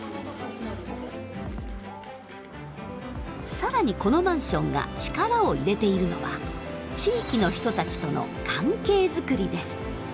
更にこのマンションが力を入れているのは地域の人たちとの関係作りです。